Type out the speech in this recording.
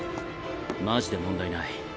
マジで問題ない。